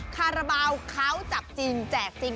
คาราบาลเขาจับจริงแจกจริง